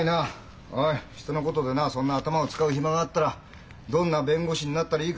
おい人のことでなそんな頭を使う暇があったらどんな弁護士になったらいいかをよく考えろ。